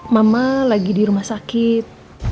mama lagi di rumah sakit